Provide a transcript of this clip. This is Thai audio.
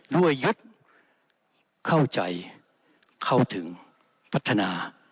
ด้วยยึดเข้าใจเข้าถึงพัฒนา